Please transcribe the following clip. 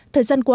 thời gian qua